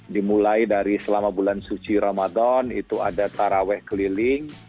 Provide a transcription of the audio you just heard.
dimulai dari selama bulan suci ramadan itu ada taraweh keliling